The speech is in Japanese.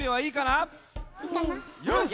よし！